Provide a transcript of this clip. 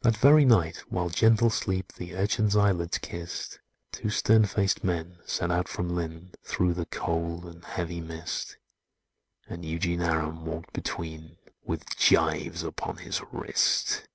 That very night while gentle sleep The urchin's eyelids kissed, Two stern faced men set out from Lynn, Through the cold and heavy mist; And Eugene Aram walked between, With gyves upon his wrist.